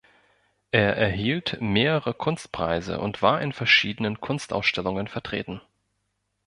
Er erhielt mehrere Kunstpreise und war in verschiedenen Kunstausstellungen vertreten.